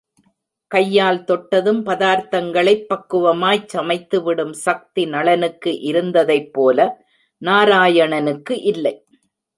கையால் தொட்டதும் பதார்த்தங்களைப் பக்குவமாய்ச் சமைத்து விடும் சக்தி நளனுக்கு இருந்ததைப்போல, நாராயணனுக்கு இல்லை.